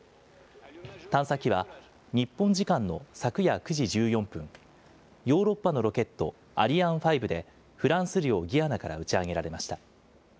探査機は、日本時間の昨夜９時１４分、ヨーロッパのロケット、アリアン５で、フランス領ギアナから打ち上げられました。